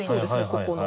ここの。